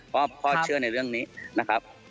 เพราะว่าพ่อเชื่อในเรื่องนี้นะครับ